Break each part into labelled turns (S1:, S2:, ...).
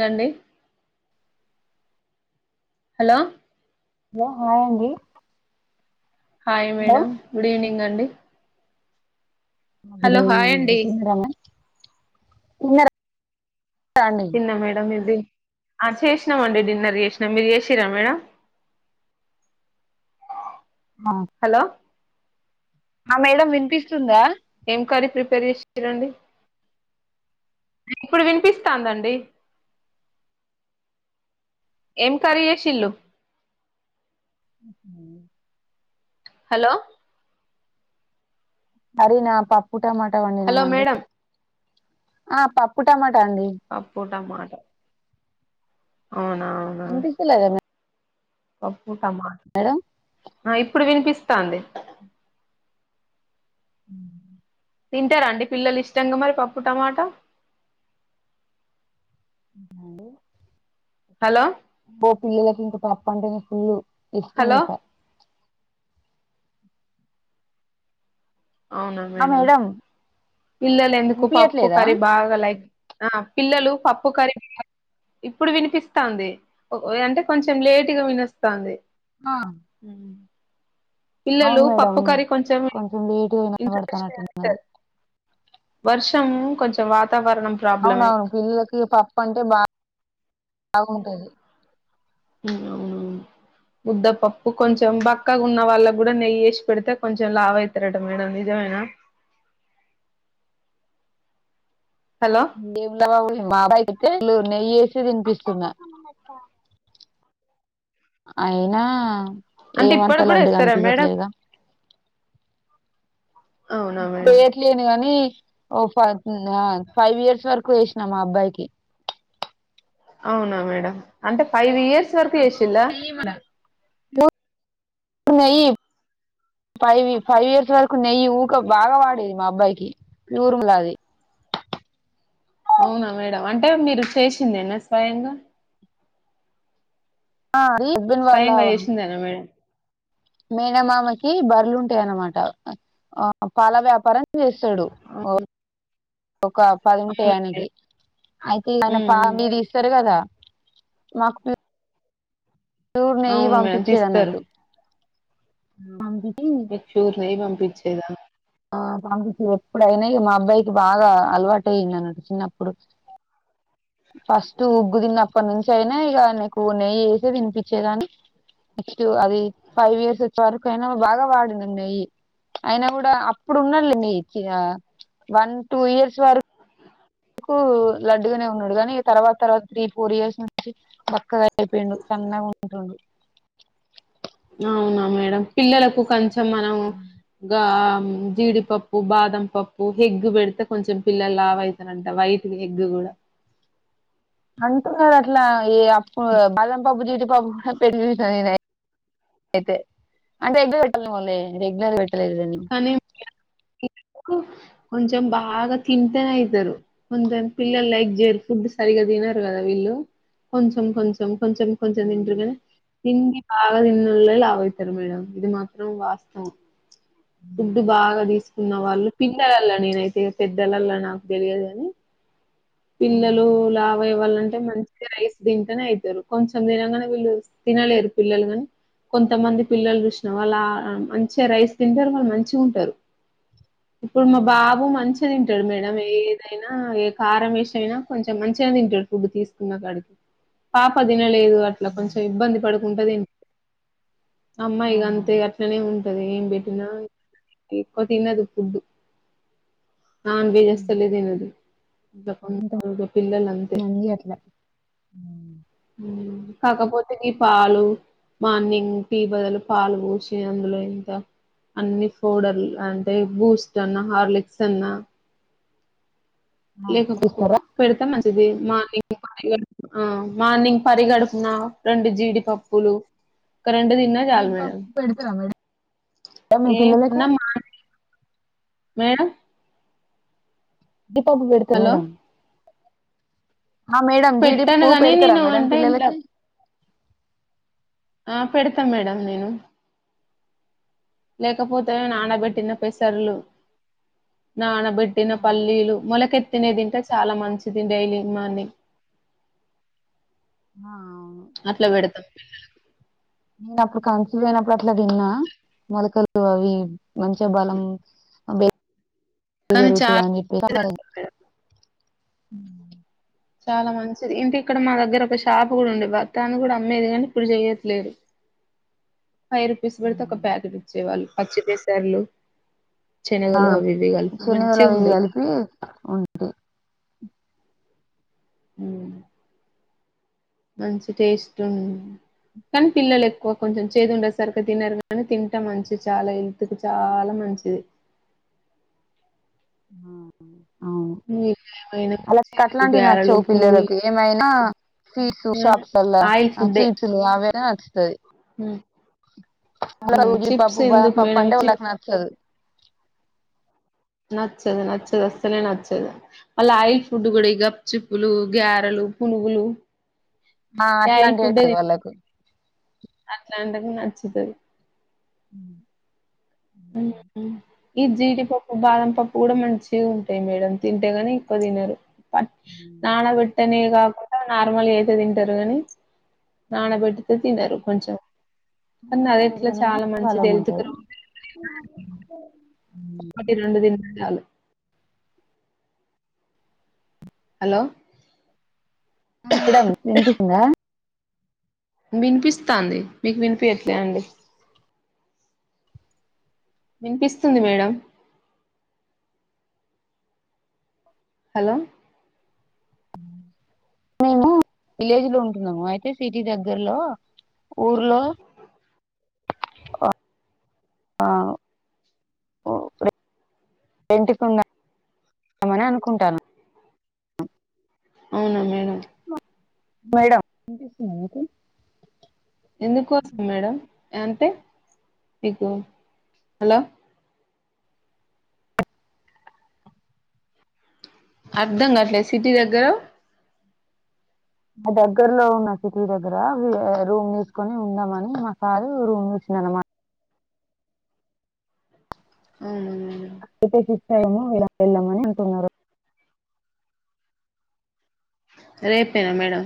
S1: యండి hello
S2: hello hi అండి
S1: hi
S2: hello
S1: madam good evening అండి
S2: good
S1: hello hi అండి
S2: evening అండి తిన్నార మేడం [unintelligible]
S1: తిన్నా ఆ చేసినాం అండి డిన్నర్ చేసినాం మీరు చేసిర్రా మేడం
S2: ఆ
S1: హలో
S2: ఆ మేడం వినిపిస్తుందా
S1: ఏం కర్రీ ప్రిపేర్ చేసి [unintelligible] రండి ఇప్పుడు వినిపిస్తాందండి ఏం కర్రీ చేసిల్లు
S2: ఉ
S1: హలో
S2: కర్రీనా పప్పు టమాటా
S1: హలో
S2: వండినామండి
S1: మేడం
S2: ఆ పప్పు టమాటా అండి
S1: పప్పు టమాట అవునా అవునా
S2: వినిపిస్తలేదా మే
S1: పప్పు టామా
S2: మేడం
S1: ఆ ఇప్పుడు వినిపిస్తాంది
S2: హ్
S1: తింటారాండి పిల్లలు ఇష్టంగా మరి పప్పు టమాటా
S2: ఆహ్
S1: హలో
S2: పో పిల్లలకు ఇంక పప్పు అంటేనే ఫుల్లు ఇష్టం
S1: హలో
S2: ఇంకా
S1: అవునా మేడం పిల్లలు ఎందుకు పప్పు
S2: వినిపియట్లేదా
S1: కర్రీ బాగా లైక్ ఆ పిల్లలు పప్పు కర్రీని ఇప్పుడు వినిపిస్తాంది అంటే కొంచెం లేటుగా వినొస్తంది
S2: ఆ
S1: ఉ పిల్లలు
S2: అవును మేడం
S1: పప్పు కర్రీ కొంచెం
S2: లేటుగా
S1: ఇంట్రెస్
S2: వినబడతానట్టుంది
S1: అంటారు వర్షం కొంచెం వాతావరణం ప్రాబ్లమే
S2: అవునవును పిల్లలకి ఇగ పప్పు అంటే బా బాగుంటది
S1: అవునవును ముద్దపప్పు కొంచెం బక్కగా ఉన్న వాళ్ళకు కూడా నెయ్యి వేసి పెడితే కొంచెం లావవుతారట మేడం నిజమేనా హలో
S2: ఏమిలే మా అబ్బాయికి [unintelligible] నెయ్యి నెయ్యిేసి తినిపిస్తున్నా అయినా
S1: అంటే
S2: ఏమంతా
S1: ఇప్పటికి కూడా
S2: లడ్డుగా
S1: ఇస్తారా మేడం
S2: అనిపియట్లేగా
S1: అవునా
S2: ఇప్పు
S1: మేడం
S2: వేయట్లేను గాని ఓ ఫ్ ఆ ఫైవ్ ఇయర్స్ వరకు వేసినా మా అబ్బాయికి
S1: అవునా మేడం అంటే ఫైవ్ ఇయర్స్ వరకు చేసిల్లా
S2: [unintelligible] నెయ్యి మా నెయ్యి ఫైవ్ ఫైవ్ ఇయర్స్ వరకు నెయ్యి ఊక బాగా వాడేది మా అబ్బాయికి ప్యూర్ మల్లాది
S1: అవునా మేడం అంటే మీరు చేసిందేనా స్వయంగా
S2: ఆ రీబ్బిన్ వాళ్ళ
S1: తన మరి
S2: మేనమామకి బర్రలుంటాయన్నమాట ఆ పాల వ్యాపారం చేస్తాడు
S1: ఆ హు
S2: ఒక పదుంటయి ఆయనకి అయితే ఆయన
S1: హ్మ్
S2: పా
S1: హ్మ్
S2: మీరు ఇస్తారు కదా మాకు ప్యూర్ నెయ్యి
S1: అవును మేడం తీస్తారు
S2: పంపించేదన్నట్టు ఆల్రెడీ
S1: మీకు ప్యూర్ నెయ్యి పంపించేదా
S2: ఆ పంపించేద్ ఎప్పుడైనా మా అబ్బాయికి బాగా అలవాటయ్యింది అన్నటు చిన్నప్పుడు ఫస్ట్ ఉగ్గు తిన్నప్పటి నుంచి అయినా ఇగ అయినేకు నెయ్యి ఏసేద తినిపించేదాన్ని నెక్స్ట్ అది ఫైవ్ ఇయర్స్ వచ్చే వరకు అయినా బాగా వాడిండు నెయ్యి అయినా కూడా అప్పుడు ఉన్నాడు లే మీకు ఇగ వన్ టూ ఇయర్స్ వరకు కు లడ్డుగానే ఉన్నాడు కానీ తర్వాత తర్వాత త్రీ ఫోర్ ఇయర్స్ నుంచి బక్కగా అయిపోయిండు సన్నగా ఉంటుండు
S1: అవునా మేడం పిల్లలకు కొంచెం మనం గా జీడిప బాదం పప్పు ఎగ్గు పెడితే కొంచెం పిల్లలు లావు అయితరూ అంట వైట్ ఎగ్ కూడా
S2: అంటున్నారు. అట్లా ఈ అప్పు బాదం పప్పు జీడిపప్పు ఎటు చూసినా నేను అయితే అంటే [unintelligible] పెట్టాలలే మళ్ళ రెగ్యులర్ పెట్టలేదుదా
S1: [unintelligible] కొంచెం బాగా తింటేనే అవుతారు కొంచెం పిల్లలు లైక్ చేయరు ఫుడ్ తినరు సరిగ్గ తినారు కదా వీళ్ళు కొంచెం కొంచెం కంపల్సరీ కొంచెం తింటుగా తిండి బాగా తిన్నోల్లే బాగా లావైతారు మేడం ఇది మాత్రం వాస్తవం ఫుడ్డు
S2: అవును
S1: బాగా తీసుకున్న వాళ్ళు పిన్నలల్ల నేనైతే పెద్దలల్ల నాకు తెలియదుని పిల్లలు లావు ఆవ్వాలంటే మంచిగా రైస్ తింటనే అవుతారు. కొంచెం తినంగానే వీళ్ళు తినాలేరు పిల్లలు గానీ కొంతమంది పిల్లలు చూసినవ వాళ్ళు మంచిగా రైస్ తింటారు. వాళ్ళు మంచిగా ఉంటారు ఇప్పుడు మా
S2: మేడం
S1: బాబు మంచిగా తింటాడు మేడం ఏదైనా ఏ కారం ఏసినా అయినా కొంచెం మంచిగా తింటాడు ఫుడ్ తీసుకున్నాకడికి పాప తినలేదు అ అట్లా కొంచెం ఇబ్బంది పడుకుంట తిమ్ అమ్మాయి
S2: అవునా
S1: గంతే నే ఉంటది ఏం పెట్టినా ఎక్కువ తిన్నది ఫుడ్ నన్ వేజ్ అస్సలే తినదు అ పిల్లలు అంతే
S2: మంది అట్లా హ్మ్.
S1: కాకపోతే గీ పాలు మార్నింగ్ టీ బదులు పాలు పోసి అందులో ఇంత అన్ని ఫౌడర్లు అంటే బూస్ట్ అన్నా హార్లిక్స్ అన్నా
S2: ఆ
S1: లేకపో
S2: ఇస్తారా?
S1: పెడతే మంచిది [unintelligible] ఆ మార్నింగ్ పరి గడుపున్నా రెండు జీడిపప్పులు ఒక రెండు దిన్న చాలు మేడము
S2: జీడిపప్పు పెడతారా మేడం మీ
S1: ఏం
S2: పిల్లలకి
S1: ఉన్నా మార్నింగ్ మేడం
S2: జీడి పప్పు పెడతరా
S1: హలో
S2: మేడం మా మేడం
S1: పెట్టాను
S2: జీడిపప్పు
S1: గాని
S2: పెడతార
S1: నేను
S2: మేడం
S1: అంటే ఇంట్లా
S2: పిల్లలాకి
S1: ఆ పెడతాం మేడం నేను లేకపోతే
S2: హుహు.
S1: నానబెట్టిన పెసర్లు నానబెట్టి పేట్టిన
S2: ఆ
S1: పల్లీలు మొలకెత్తినయి తింటే చాలా మంచిది డైలీ మార్నింగ్
S2: ఆ అవును
S1: అట్లా పెడుతాం
S2: నేను అప్పుడు కంచిపోయినప్పుడు అట్లా తీ న్నా మొలకలు అవి మంచిగా బలం
S1: కానీ చాలా
S2: పెరుగుతుంది. అని చెప్పేసీ
S1: మంచిదంట మేడం, చాలా మంచిది. ఇంకా ఇక్కడ మా దగ్గర ఒక షాప్ కూడా ఉండే భర్తాన్ని కూడా అమ్మేది కానీ ఇప్పుడు ఇగ చెయట్లేదు. ఫైవ్ రూపీస్ పెడితే ఒక ప్యాకెట్ ఇచ్చేవాళ్ళు పచ్చిపేసార్లు
S2: ఆ శనీగలు అవివి కలిపి ఉంటే
S1: ఉ మంచి టేస్ట్ ఉ కానీ పిల్లలు ఎక్కువ కొంచెం చేదు ఉండే సరికిగా తినారు కానీ తింటే మంచిది చాలా హెల్త్ హెల్త్కు చాలా మంచిది
S2: అవు
S1: హ్మ్. ఏమైనా
S2: అలా
S1: బజ్జీలు,
S2: అట్లాంటివి
S1: గారెలు
S2: నచ్చవు
S1: పునుగులు
S2: పిల్లలకి ఏమైనా స్వీటు
S1: హ్మ్.
S2: షాప్సల్లో
S1: ఆయిల్
S2: చిప్స్ అవే నచ్చుతుది
S1: ఉ
S2: ఆ ఉల్లిపప్పు బాదం పప్పు అంటే వాళ్ళకి నచ్చదు
S1: నచ్చదు నచ్చదు అస్సలే నచ్చదు అల ఆయిల్ ఫుడ్ కూడా ఇగ చీప్పులు గ్యారెలు పునుగులు
S2: ఆ
S1: ఈ ఆయల్
S2: అట్లాంటివి
S1: ఫుడే
S2: అయితది వాళ్ళకు
S1: అట్లాంటిది నచ్చుతుది ఉమ్ ఉమ్ ఈ జీడిపప్పు బాదం పప్పు కూడా మంచిగా ఉంటాయి మేడం తింటేగాని ఎక్కువ తినరు పట్ నానబెట్టీనే కాకుండా నార్మల్ ఐతే తింటారు కాని నానబెట్టితే తినరు కొంచెం కానీ అది ఎట్లా
S2: నానబెడితేనేమో
S1: చాలా మంచిది
S2: బలంగా ఉంటది
S1: హెల్త్కనీ
S2: ఉ
S1: ఒకటి రెండు తిన్న చాలు హలో
S2: ఆ మేడం వినిపిస్తుందా
S1: వినిపిస్తాంది మీకు వినిపియట్లే అండి వినిపిస్తుంది మేడం హలో
S2: మేము విలేజ్లో ఉంటున్నాము అయితే సిటీ దగ్గర్లో ఊర్లో ఆ ఆ తెంటుకుందామని అనుకుంటానం
S1: అవునా మేడం
S2: మేడం వినిపిస్తుందా మీకు
S1: ఎందుకోసం మేడం అంటే మీకు హలో అర్ధం కావట్లే సిటీ దగ్గర
S2: మా దగ్గరలో ఉన్న సిటీ దగ్గర రూమ్తీసుకొని ఉందాంమని మా సారు రూమ్ చూసిండు అన్నమాట
S1: ఊమ్
S2: అయితే సిటీ సైడేమో వెనక్కి వెళ్దామని అంటున్నారు
S1: రేపేనా మేడం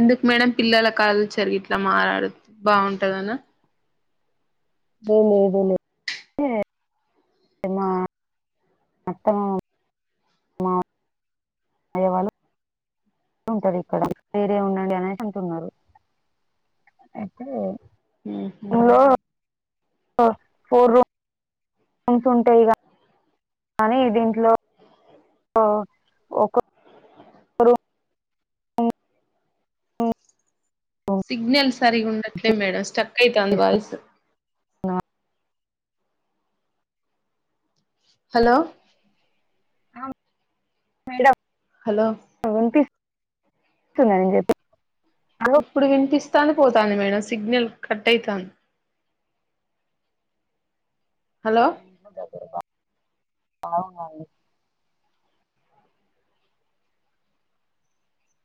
S1: ఎందుకు మేడం పిల్లల కల్చర్ ఇట్లా మారు బాగుంటాందన
S2: ఏలేదేలే ఏ మా అత్తమ్మ మామయ్య వాళ్ళు ఉంటరు ఇక్కడ వేరే ఉండండి అనేసి అంటున్నారు అయితే
S1: ఉహూ
S2: రూమ్లో ఫోర్ రూమ్ రూమ్స్ ఉంటుంటాయ్ ఇగ కానీ దీంట్లో ఓ ఒకో
S1: సిగ్నల్ సరిగ ఉండట్లే మేడం స్టక్ అవుతుంది వాయిస్
S2: నా
S1: హలో
S2: ఆ మేడం
S1: హలో
S2: వినిపింస్తుదా నేను చెప్పేది
S1: ఇప్పుడు వినిపిస్తాంది పోతాంది మేడం సిగ్నల్ కట్ ఐతాంది హలో
S2: దగ్గర అవునండి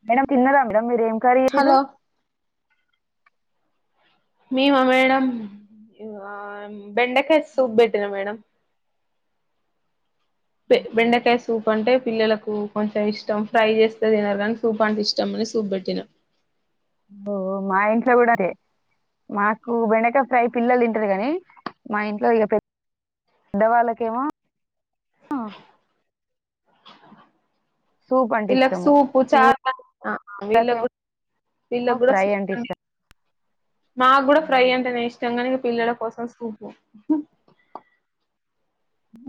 S2: మేడం తిన్నరా మేడం మీరు ఏం కర్రి చేశారు
S1: హలో మేమా మేడం బెండకాయ ఆ సూప్ పెట్టినా మేడం బెండకాయ సూప్ అంటే పిల్లలకు కొంచెం ఇష్టం ఫ్రై చేస్తే తినన్నారు కానీ సూప్ అంటే ఇష్టంమని సూప్ పెట్టినా
S2: ఓహో మా ఇంట్ల కూడా అదే మాకు బెండకాయ ఫ్రై పిల్లలు తింటారుగాని మా ఇంట్లో ఇక పె పెద్దవాళ్ళకేమో సూప్ అంటే
S1: వీళ్ళకి
S2: ఇష్టము
S1: సూపు చా వీళ్ళ
S2: పిల్లలకేమో
S1: వీళ్ళ కూడా కూడా స
S2: ఫ్రై
S1: [inaudible]
S2: అంటే ఇష్టం
S1: మాకు కూడా ఫ్రై అంటే నే ఇష్టంగానీ ఇక పిల్లల కోసం సుపు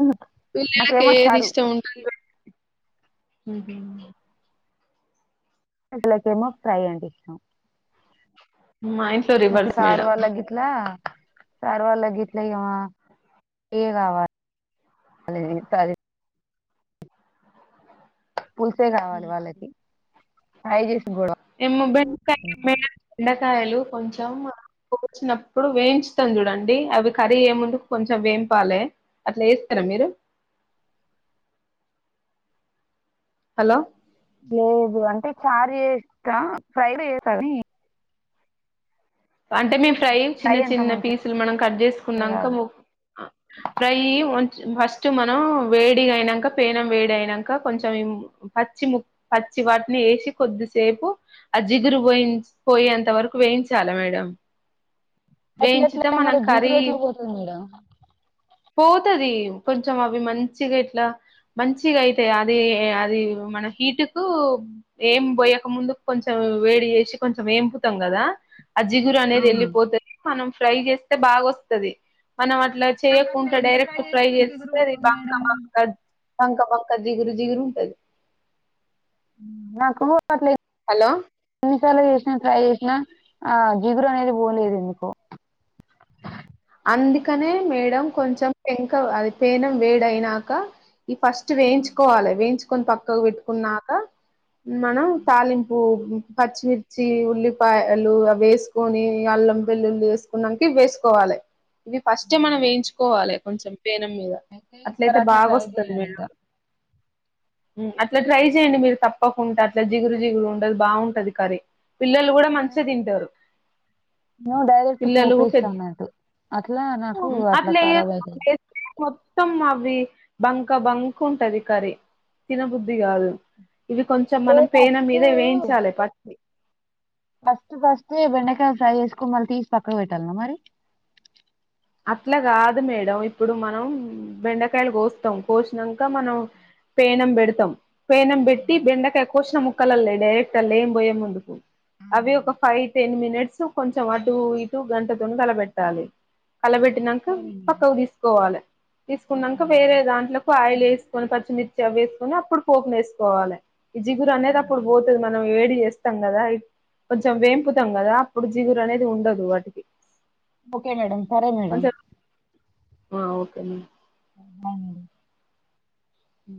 S2: ఉహ్
S1: పిల్లలకు ఏది ఇష్ట ఉంటుందో
S2: వీళ్ళ కేమో ఫ్రై అంటే ఇష్టం
S1: మ ఇంట్లో
S2: ముక్కిడి
S1: రివర్స్
S2: సార్
S1: మేడం
S2: వాళ్ళ గిట్ల సార్ వాళ్ళ గిట్ల ఏ కావాలి ఇట్లా [unintelligible] పుల్సే కావాలి వాళ్ళకి ఫ్రై చేసిన కూడాడవ
S1: ఏమ్ బెండకాయలు బెండకాయలు కొంచెం వచ్చినప్పుడు వేయించుతాం చూడండి అవి కర్రీ ఏ ముందుకు కొంచెం వేంపలె అట్లా చేస్తారా మీరు హలో
S2: లేదు అంటే చారు చేస్తా ఫ్రైడ్ చేస్తా గాని
S1: అంటే మేము ఫ్రై చిన్న
S2: అంత
S1: చిన్న
S2: మంచిగా
S1: పీసులు మనం కట్ చేసుకున్నాక
S2: రాదు
S1: ఫ్రై ఫస్ట్ మనం వేడిగా అయినాక పేనం వేడి అయినాక కొంచెం పచ్చి ముక్కా పచ్చి వాటిని వేసి కొద్దిసేపు ఆ జిగురు పోయి పోయేంత వరకు వేయించాల మేడం
S2: ఎట్ల
S1: వేయించితే
S2: ఎట్లే
S1: మనం
S2: మరి
S1: కర్రీ
S2: జీగురు ఎట్లు బోతుంది మడమ్
S1: పోతుది కొంచెం అవి మంచిగా ఇట్లా మంచిగా అయితే అది అది మన హీటు కు ఏం పోయక ముందుకు కొంచెం వేడి చేసి కొంచెం ఎంపుతాం కదా అజ్జిగురు అనేది
S2: అవునా
S1: వెళ్ళిపోతది మనం ఫ్రై చేస్తే బాగా వస్తది మనం అట్లాయితే
S2: నాకు అట్లా
S1: చేయకుండా
S2: ఎంత ట్రై
S1: డైరెక్ట్ ఫ్రై
S2: చేసినా జిగురు
S1: చేస్తే అది
S2: పోదు
S1: బంకా
S2: మేడం
S1: బంక బంక బంక జిగురు జిగురు ఉంటాది
S2: నాకు [unintelligible]
S1: హలో
S2: ఎన్నిసార్లు చేసినా ట్రై చేసినా ఆ జీగురు అనేది పోలేదు ఎందుకో
S1: అందుకనే మేడం కొంచెం పెంక అది పేనెం వేడ అయినాక ఈ ఫస్ట్ వేయించుకోవాలి వేయించుకొని పక్కకు పెట్టుకున్నాక మనం తాలింపు పచ్చిమిర్చి ఉల్లిపాయలు అవి వేసుకొని అల్లం వేల్లుల్లి వేసుకునకే ఇవి వేసుకోవాలే ఇవి ఫస్ట్ మనం వేయించుకోవాలే కొంచెం పేనెం మీద
S2: అయితే ఈసారి
S1: అట్లయితే
S2: అట్లా ట్రై
S1: బాగాస్తది
S2: చేయాలి
S1: మేడం
S2: ఇక
S1: మ్ అట్లా ట్రై చెయండి మీరు తప్పకుండా అట్లా జిగురు జిగురు ఉండదు బాగుంటది కర్రీ పిల్లలు కూడా మంచిగా తింటారు పిల్లలు పెద్ద
S2: అట్లనా
S1: మ్ అట్లే [unintelligible] మొత్తం అవి బంక బంక ఉంటది కరీ తినబుద్ధి కాదు ఇవి కొంచెం
S2: డే
S1: మనం పేనం
S2: ఫస్ట్
S1: మీద వేయించాలి ప
S2: ఫస్ట్ ఫస్ట్ బెండకాయలు ఫ్రై చేసుకని మళ్ళీ తీసి పక్కకు పెట్టాల్న్నా మరి
S1: అట్లా కాదు మేడం ఇప్పుడు మనం బెండకాయలు కోస్తాం కోసినంక మనం పేనం పెడతాం పేనం పెట్టి బెండకయ్ కోసిన ము క్కళ్ళేయ్ డైరెక్ట్ య్ అల్ల ఎం పోయ ముందుకు అవి ఒక ఫైవ్ టెన్ మినిట్స్ కొంచెం అటు ఇటు గంటతోని కలబెట్టాలి కలబెట్టినాక పక్కకు తీసుకోవాలి తీసుకున్నాక వేరే దాంట్లోలకు ఆయిలేస్ కొని పచ్చిమిర్చి వేసుకుని అప్పుడు పోపుసుకోవాలే ఈ జిగురు అనేది అప్పుడు పోతది మనం వేడి చేస్ తాం కదా కొంచెం వేంపుతాం కదా అప్పుడు జిగురు అనేది ఉండదు వాటికి
S2: ఓకే మేడం సరే మేడం
S1: కొంచెం ఆ ఓకే మేమ్
S2: ఆ
S1: ఉ